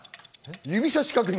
指差し確認。